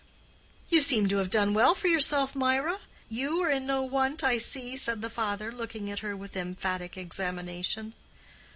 "You seem to have done well for yourself, Mirah? You are in no want, I see," said the father, looking at her with emphatic examination.